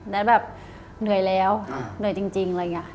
แน็ตแบบเหนื่อยแล้วเหนื่อยจริงอะไรเงี้ย